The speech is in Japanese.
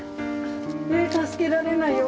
え助けられないよ。